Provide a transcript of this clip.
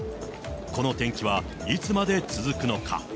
この天気はいつまで続くのか。